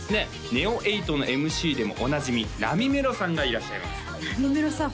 ＮＥＯ８のＭＣでもおなじみなみめろさんがいらっしゃいますなみめろさん